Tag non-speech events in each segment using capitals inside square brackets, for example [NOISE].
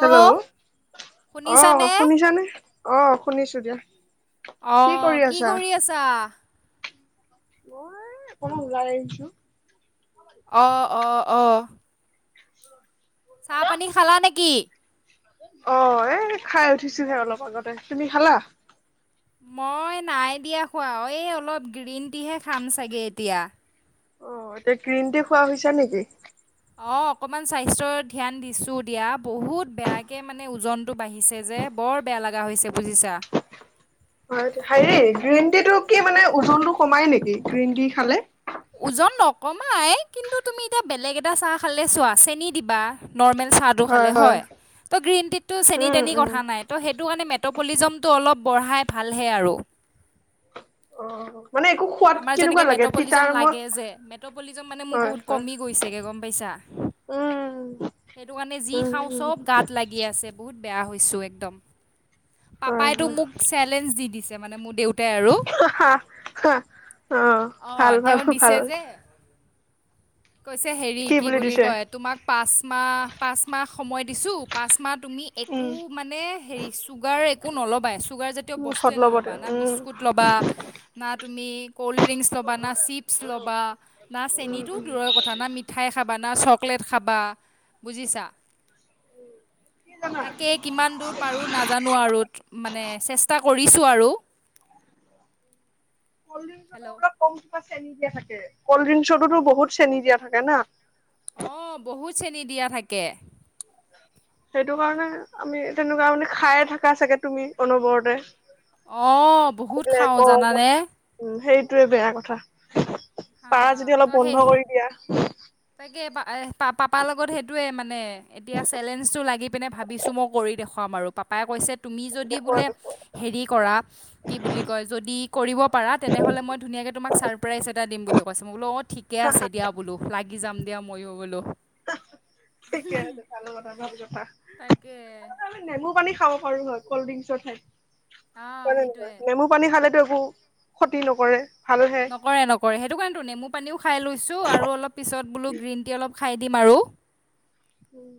Hello. অ শুনিছানে শুনিছানে? অ শুনিছো দিয়া। আহ, কি কৰি আছা? মই অকণ ওলাই আহ আহিছো অ, অ, অ। অ। চাহ পানী খালা নেকি? অ, এ খাই উঠিছোহে অলপ আগতে, তুমি খালা? মই নাই দিয়া খোৱা। এই অলপ গ্ৰীণ টিহে খাম চাগে এতিয়া। অ, এতিয়া গ্ৰীণটি খোৱা হৈছে নেকি? অঁ, অকণমান স্বাস্থ্যৰ ধ্যান দিছোঁ দিয়া বহুত বেয়াকৈ মানে ওজনটো বাঢ়িছে যে বৰ বৰ বেয়া লগা হৈছে বুজিছা। হয়, হেৰি গ্ৰীণ টি টো কি মানে ওজনতটো কমাই নেকি গ্ৰীণ টি খালে? ওজন নকমাই কিন্তু তুমি এতিয়া বেলেগ এটা চাহ খালে চোৱা চেনী দিবা নৰ্মেল চাহটো খালে হয়। ত' গ্ৰীণ টিত টো চেনি উম তেনি উম কথা নাই ত' সেইটো কাৰণে মেটপলিজমটো অলপ বঢ়াই ভালহে আৰু। অ। মানে একো সোৱাদ আমাৰ কেনেকুৱা যেনেকৈ লাগে মেট্ৰপলিজম তিতাৰ লাগে মত যে মেট্ৰপলিজম মানে মোৰ হয়, বহুত হয়। কমি গৈছেগৈ গম পাইছা উম। সেইটো কাৰণে যি উম খাওঁ উম চব গাত লাগি আছে বহুত বেয়া হৈছো একদম। হয় পাপাই তটো হয় মোক চেলেঞ্জ দি দিছে মানে মোক দেউতাই আৰু অ ভাল অ, ভাল তেওঁ ভাল দিছে যে, কৈছে হেৰি কি বুলি কয় তোমাক পাঁচ মাহ পাঁচ মাহ সময় দিছো পাঁচ মাহত তুমি উম একো মানে হেৰি চুগাৰ একো নল'বা চুগাৰ জাতীয় মুখত বস্তুৱে ল'ব নল'বা তেওঁ না উম। বিস্কুত লবা না তুমি কলড্ৰিঙ লবা না চিপ লবা না চেনি টো কথা না মিঠাই খাবা না চকলেট খাবা বুজিছা। কি জানা তাকে কিমান দূৰ পাৰো নাজানো আৰু মানে চেষ্টা কৰি ছোঁ আৰু। হেল্ল' কলড্ৰিঙটো কম [UNINTELLIGIBLE] চেনি দিয়া থাকে কল্ড ড্ৰিংকছতো বহুত চেনি দিয়া থাকে না। অ, বহুত চেনি দিয়া থাকে। সেইটো কাৰণে আমি তেনেকুৱা মানে খাইে থাকা চাগে তুমি অনবৰতে অঁ বহুত খাওঁ ত অ জানানে উ সেই টোৱে বেয়া কথা হা পাৰ যদি অলপ তই বন্ধ কৰি দিয়া এই পা পাপাৰ লগত সেইটোৱে মানে এতিয়া চেলেঞ্জটো লাগি পিনে ভাবিছোঁ মই কৰি দেখুৱাম আৰু পাপাক পায়ে কৈছে তুমি যদি বোলে হেৰি কৰা কি বুলি কয় যদি কৰিব পাৰা তেনেহ'লে মই ধুনীয়াকে কে তোমাক ছাৰপ্ৰাইজ এটাম কৈছে মই বো অঁ ঠিকে আছে দিয়া বোলো লাগি যাম ময়ো বোলো তাকে একেলগে আমি নেমু পানী খাব পাৰো হয় কল্ড ড্ৰিংকছৰ ঠাইত অঁ হয় নে নহয় সেইটোৱে নেমু পানী খালেতো একো ক্ষতি নকৰে ভালহে। নকৰে নকৰে সেইটো কাৰণে টো নেমু পানীও খাই লৈছো আৰু অলপ পিছত বোলো গ্ৰীণ টি অলপ খাই দিম আৰু উম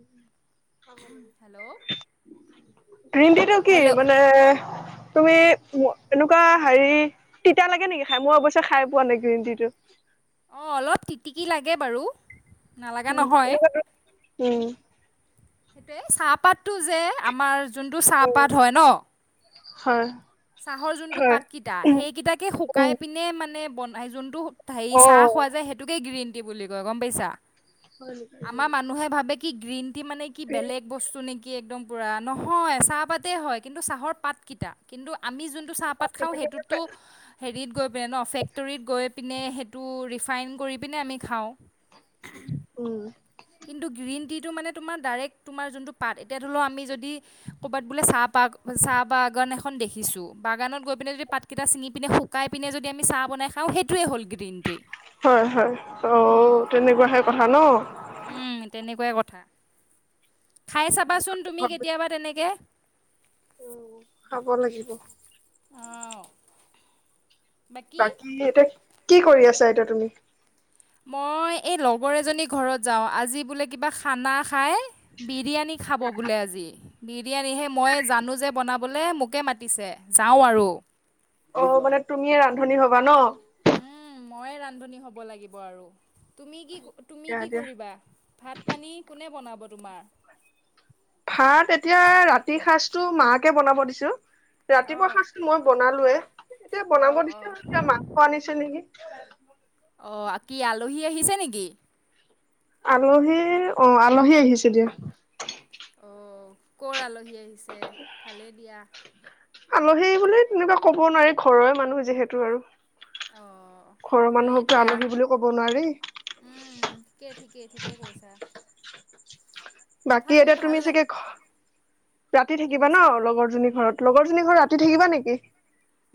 খাব লাগে হেল্ল' গ্ৰীন টি টো কি হেল্ল' মানে তুমি এনেকুৱা হেৰি তিতা লাগে নেকি খাই মই অৱশ্যে খাই পোৱা নাই গ্ৰীণ টিটো অ অলপ তিটিকি লাগে বাৰু নালাগা উম নহয় উম সেইটোৱে চাহপাতটো যে আমাৰ যোনটো উম চাহপাত হয় ন হয় চাহৰ যোনটো হয় পাতকেইটা উম সেইকেইটাকে শুকাই উম পিনে মানে বনাই যোনটো হেৰি অ চাহ খোৱা যায় সেইটোকে গ্ৰীণ টি বুলি কয় গম পাইছা আমাৰ মানুহে ভাবে কি গ্ৰীণ টি মানে কি বেলেগ বস্তু নেকি একদম পোৰা, নহয় চাহ পাতে হয় কিন্তু চাহৰ পাত কেইটা কিন্তু আমি জোন টো চাহ পাত খাও সেইটো টো হেৰিত গৈ পিনে ফেক্টৰীত গৈ পিনে সেইটো ৰিফাইন কৰি পিনে আমি খাওঁ উম কিন্তু গ্ৰীণ টিটো মানে তোমাৰ ডৰেক্ট তোমাৰ যোনটো পাত এতিয়া ধৰি লও আমি যদি ক'ৰবাত বুলে চাহ পাত চাহ বাগান এখন দেখিছো বাগানত গৈ পিনে যদি পাতকেইটা চিঙি পিনি শুকাই পিনে যদি আমি চাহ বনাও নে খাওঁ সেইটোৱে হ'ল গ্ৰীণ টি হয় হয় অ তেনেকুৱাহে কথা ন উম, তেনেকুৱাই খাই চাবাচোন তুমি কেতিয়াবা তেনেকে উ খাব লাগিব অঁ বাকী এতিয়া কি কৰি আছা এতিয়া তুমি মই এই লগৰ এজনী ঘৰত যাও আজি বোলে কিবা খানা খাই বিৰিয়ানী খাব বোলে আজি বিৰিয়ানীহে মই জানো যে বনাবলৈ মোকে মাতিছে যাওঁ আৰু অ মানে তুমিয়ে ৰান্ধনী হবা ন ম‌ইয়ে ৰান্ধনী হ'ব লাগিব আৰু তুমি কি তুমি দিয়া কি দিয়া কৰিবা ভাত পানী কোনে বনাব তোমাৰ ভাত এতিয়া ৰাতিৰ সাজটো মাকে বনাব দিছো ৰাতিপুৱা অ', সাজটো মই বনালোৱে এতিয়া বনাব অ', অ'। দিছে মাংস আনিছে নেকি [UNINTELLIGIBLE] অ কি আলহী আহিছে নেকি আলহী অ আলহী আহিছে দিয়া অ', কৰ আলহী আহিছে ভালেই দিয়া আলহী বুলি তেনেকুৱা ক'ব নোৱাৰি ঘৰৰে মানুহ যিহেতু আৰু অ ঘৰৰ ভালেই মানুহকতো দিয়া আলহী বুলি কব নোৱাৰি উম ঠিকেই ঠিকেই ঠিকেই কৈছা বাকী তথাপিও এতিয়া ভাল তুমি ল চাগে ৰাতি কি থাকিবা ন কৈছা? লগৰজনী ঘৰত লগৰ জনী ঘৰ ৰাতি থাকিবা নেকি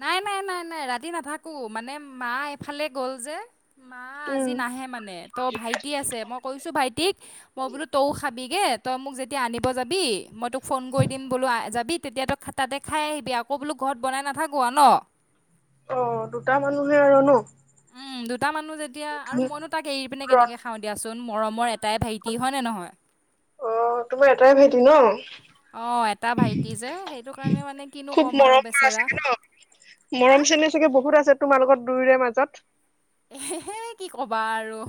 নাই নাই নাই নাই ৰাতি নাথাকোঁ মানে মা এফালে গ'ল যে। মা উম আজি নাহে মানে ত ভাইটি আছে মক। কৈছো ভাইটিক মই বোলো তও খাবিগে তই মোক যেতিয়া আনিব যাবি মই তোক ফোন কৰি দিম বুল। বুল যাবি তেতিয়াতো তই তাতে খাই আহিবি আকৌ বোলো ঘৰত বনাই নাথাকোৱা ন । অ দুটা মানুহে আৰু ন। উম দুটা মানুহ যেতিয়া আৰু মইনো তাক এৰি পিনে কেনেকে খাওঁ দিয়াচোন মৰমৰ এট। অ তোমাৰ এটাই ভাইটি ন। অ এটা ভাইটি যে সেইটো কাৰণে মানে কিনো খুব ক'ম আৰু মৰম কৰা বেচেৰা। চাগে ন। মৰম হা চেনেহ চাগে বহুত আছে তোমাৰ লগত দুয়োৰে মাজত। এহে। এহে কি ক'বা আৰু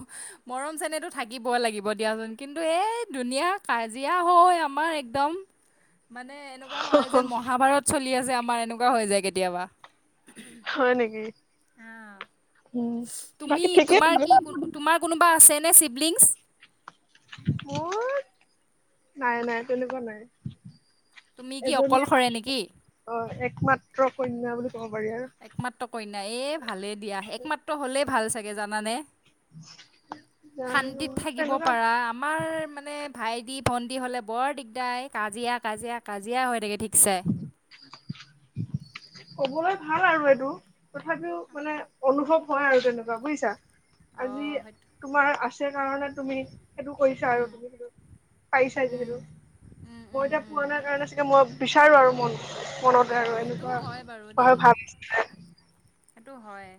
মৰম চেনেহটো থাকিবই লাগিব দিয়াচোন কিন্তু এই দুুনীয়াক। কাজিয়া হৈ আমাৰ একদম। মানে এনেকুৱা হয় যেন মহাভাৰত চলি আছে আমাৰ এনেকুৱা হৈ যায় কেতিয়াবা। হয় নেকি। অ উম তুমি বাকী ঠিকেই তোমাৰ মোৰ কি ক তোমাৰ কোনোবা আছে। নে চিবলিংচ । উ নাই নাই তেনেকুৱা নাই। তুমি কি এজনীয়ে অকলশৰে মাত্ৰ নেকি অ একমাত্ৰ কন্যা বুলি। ক'ব পাৰি আৰু একমাত্ৰ কইনা এ ভালে দিয়া একমাত্ৰ হ'লে ভাল চাগে জানানে। জানো শান্তিত থাকিব তেনেকুৱা পাৰা আমাৰ মানে। ভাইটি ভণ্টি হ'লে বৰ দিগদাই কাজিয়া কাজিয়া কাজিয়া হৈ থাকে ঠিক। ছে। ক'বলৈ ভাল আৰু এইটো তথাপিও মানে অনুভৱ হয় আৰু তেনেকুৱা বুইছা। আজি অঁ সেইটো তোমাৰ আছে কাৰণে তুমি। সেইটো কৰিছা আৰু উম তুমি সেইটো পাৰিছা উম, যিহেতু উম, মই উম, এতিয়া উম, পুৰণা কাৰণে চাগে মই। বিচাৰো আৰু মন মনতে আৰু অ', সেইটো হয় বাৰু এনেকুৱা দেই, হয় ভাপ সেইটো হয়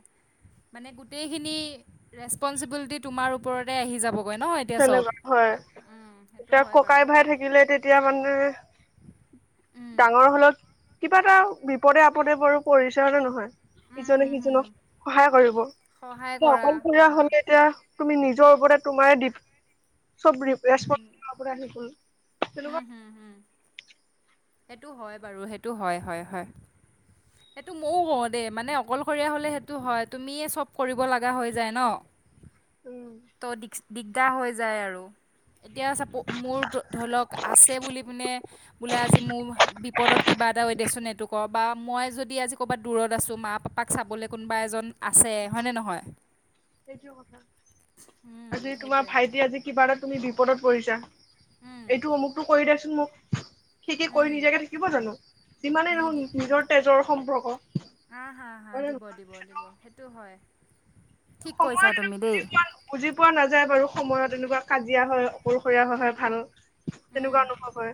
মানে গোটেইখিনি ৰেচপঞ্চিবিলিটি তোমাৰ ওপৰতে আহি যাব। তেনেকুৱা হয় সেইটো এতিয়া হয় বাৰু, ককাই ভাই থাকিলে তেতিয়া মানেহ। উম, ডাঙৰ হ'লত কিবা এটা বিপদে -আপদে বাৰু পৰিচা হ'লে নহয়। উম, ইজনে হুম, হুম, সিজনক সহায় কৰিব সহায় এতিয়া কৰা অকলশৰীয়া হা। হ'লগে এতিয়া। তুমি নিজৰ ওপৰতে তোমায়ে দিপ। চব ৰিপ্ৰেছপত আপোনাৰ আহি গ'ল। উম তেনেকুৱা হম হম। সেইটো হয় বাৰু সেইটো হয় হয়। হেইটো ময়ও কওঁ দেই মানে অকলশৰীয়া হ'লে সেইটো হয় তুমিয়ে চব কৰিব লাগা হৈ যায় ন। উম ত দ্ৰিকচ দিগদাৰ হৈ যায় আৰু। এতিয়া চাপ মোৰ ধৰি লওক আছে বুলি পিনে বোলে আজি। মোহ বিপদত কিবা এটা ৱেডেচন এইটো কবা মই যদি আজি ক'ৰবাত দূৰত আছো মা পাপাক চাবলৈ কোনো বা এজন আছে হয়নে নহয়। সেইটো কথা উম, আজি তোমাৰ সেইটোৱে ভাইটি আজি কিবা এটা তুমি দিব। পদত পৰিছা উম, এইটো অমুকটো কৰি দেচোন মোক। সি কি কৰি উম, নিদিয়াকে থাকিব জানো যিমানেই নহক নিজৰ তেজৰ সম্পৰ্ক। হ হা হা হয় নে দিব নহয় দিব দিব সেইটো হয়। ঠিক কৈছা সময়ত এনে তুমি দেই বুজি পোৱা বুজি পোৱা নাযায় বাৰু সময়ত এনেকুৱা কাজিয়া হয় অকলশৰীয়া হয় হয়। ভাল তেনেকুৱা উম, অনুভৱ হয়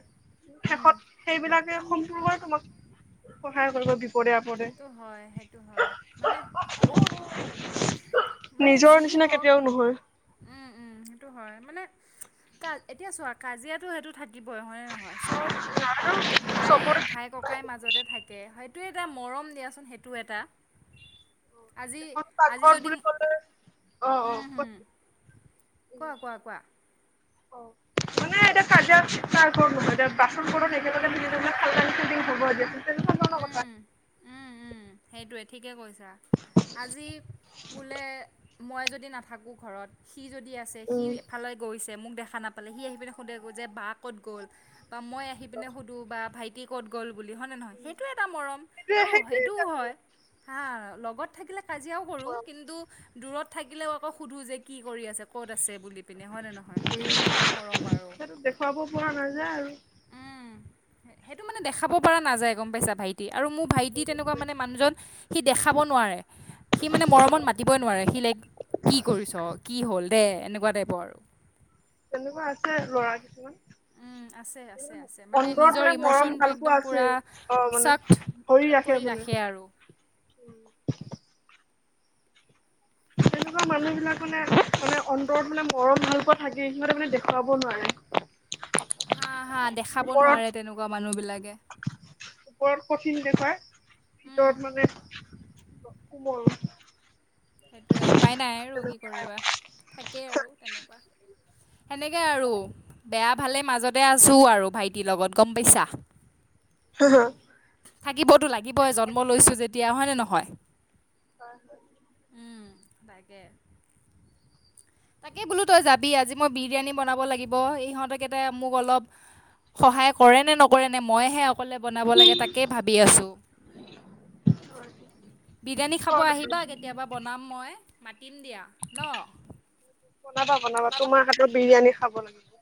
উম, শেষত সেইবিলাক। যে সম্পূৰ্বই তোমাক সহায় কৰিব বিচাৰ। সেইটো হয় সেইটো হয় মানে। মানে নিজৰ যি নিচিনা হওক কেতিয়াও নহয় উম উম সেইটো হয়। মানে কা এতিয়া চোৱা কাজিয়াটো সেইটো থাক। কি বয়সনে নহয় চব ভাই চবৰে ভাই ককাই মাজতে থাকে হয়। এইটোোৱে এটা মৰম দিয়াচোন সেইটো এটা এখন আজি। আজি পাকঘৰত যদি বুলি ক'লে অ অ অ কোৱা কোৱা কোৱা, মানে এতিয়া [INAUDIBLE] বাচন কৰ একিেলালিটং হব তেনে উম, কথা, উম উম । সেইটোৱে ঠিকেই কৈছা, আজি বোলে মই যদি নাথাকোঁ ঘৰত- সি যদি আছে, সি উম এফালে গৈছে মোক দেখা দেখা নাপালে, সি আহি পিনে সোধে যে বা ক'ত গ'ল বা মই আহি পিনে সোধোঁ বা ভাইটি ক'ত গ'ল, হয় নহয়, সেইটো এটা মৰম সেইটোৱে আৰু সেইটোও সেইটোৱে হয় হা লগত থাকিলে কাজিয়াও কৰোঁ । কিন্তু দূৰত থাকিলেও আকৌ সোধোঁ যে কি কৰি আছে ক'ত আছে । বুলি পিনে হয়নে নহয় । সেইটোৱে আৰু মৰম আৰু সেইটো দেখুৱাব পৰা নাযায় আৰু উম । সেইটো মানে দেখাব পৰা নাযায় গম পাইছা ভাইটি আৰু মোৰ ভাইটিত- সি দেখাব নোৱাৰে, সি মানে মৰমত মাতিবই নোৱাৰে সি লেক কি কৰিছ কি হ'ল দেই এনেকুৱা টাইপৰ । তেনেকুৱা আছে ল'ৰা কিছুমান । উম । আ আ আছে, মানে নিজৰ মৰম ইমচনটো ভাল পোৱা একদম আছেই পুৰাক অ মানে ধৰি ৰাখে কৰি মানে ৰাখি - সেয়া আৰু । তেনেকুৱা মানুহ বিলাক মানে মানে ৰত মানে মৰম ভালকোৱা থাকে, সিহতে মানে দেখুৱাব নোৱাৰে । হা হা দেখাব নোৱাৰে তেনেকুৱা মানুহ বিলাক । ওপৰত কঠিন দেখাই, উম ভিতৰত মানে - কোমল । সেইটোৱে উপায় নাই ৰোগ কৰিবা থাকেই আৰু তেনেকুৱা । সেনেকে আৰু বেয়া ভালে - মাজতে আছো আৰু ভাইটিৰ লগত গম পাইছা । থাকিবতো লাগিবহে জন্ম লৈছোঁ যেতিয়া হয়নে নহয় । হয় হয় । তাকে, তাকে বোলো তই যাবি আজি মই বিৰিয়ানী বনাব লাগিব, ইহঁতেকে মোক অলপ- সহায় কৰে নে নকৰে নে, মইহে- অকলে বনাব লাগে তাকেই ভাবি আছোঁ । বিৰিয়ানী খাব, আহিবা কেতিয়াবা বনাম মই । মাতিম দিয়া ন । বনাবা বনাবা তোমাৰ হাতৰ বিৰিয়ানী খাব লাগে ।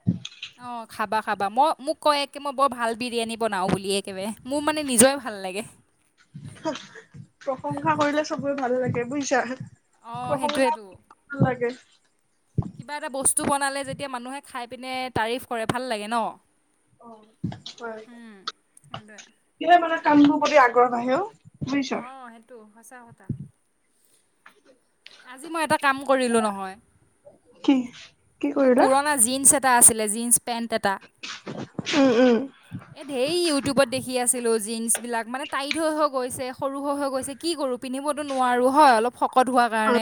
অঁ খাবা খাবা, মই মোক কয় একে মই বৰ ভাল বিৰিয়ানী বনাও বুলি একেবাৰে মোৰ মানে নিজৰে ভাল লাগে। । প্ৰশংসা কৰিলে চবৰে ভাল লাগে বুজিছা অঁ প্ৰশংসা সেইটোৱেতো ভাল লাগে । কিবা এটা বস্তু বনালে যেতিয়া মানুহে খাই পিনে তাৰিফ কৰে ভাল লাগে ন । অ হয় সেইটোৱে সাই মানে কামবোৰ প্ৰতি আগ্ৰহ আহে অ । অ সেইটো সঁচা কথা । আজি মই এটা কাম কৰিলো নহয়, কি কি মোৰ কৰিলা? পুৰণা জিনচ এটা- এ আছিলে জিনচ পেন্ট এটা। উম উম। এ ধেৰ ইউটিউবত দেখি আছিলো জীন্চ বিলাক মানে টাইত হৈ হৈ গৈছে । সৰু হৈ হৈ গৈছে কি কৰোঁ পিন্ধিবতো নোৱাৰো হয় অলপ শকত হোৱা ৰ হয় কাৰণে,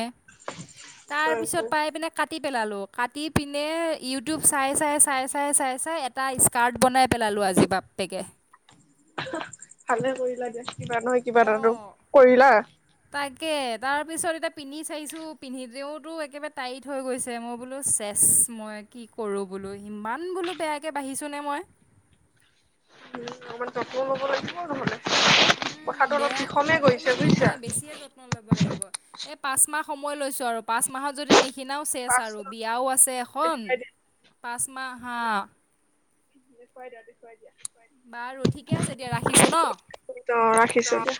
হয় তাৰপিছত হয় পাইপিনে কাটি কাটি পেলালো, কাটি পিনে ইউটিউব চাই চাই চাই চাই চাই চাই এটা স্কাৰ্ট বনাই পেলালো । আজি বাপেকে । ভালে কৰিলা জাষ্ট কিবা নহয় কিবা এটা অঁ কৰিলা । তাকে, তাৰ পিছত এতিয়া পিন্ধি চাইছো পিন্ধিতেওতো একেবাৰে টাইট হৈ গৈছে মই বোলো - ইয়েছ মই কি কৰো ইমান বোলো বেয়াকে বাঢ়িছো নে মই । উম অকমান তপ লাগিব নহলে উম কথাটো অলপ বেয়া বিষমে গৈছে অকমান বুজিছা। নহয় বেছিয়ে যত্ন ল'ব লাগিব এই পাঁচ মাহ সময় লৈছো আৰু পাঁচ মাহৰ যদি নিখিনাও চেচ পাঁচ আৰু বিয়াও আছে এখন দেখুৱাই দিয়া পাচঁ মাহ হা দেখুৱাই দিয়া দেখুৱাই দিয়া বাৰু ঠিকে আছে। এতিয়া ৰাখিছো অ ৰাখিছো ন দিয়া।